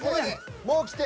もうきて。